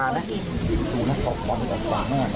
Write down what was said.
นี่มองไว้ดูเลย